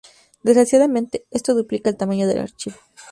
Desgraciadamente esto duplica el tamaño del archivo.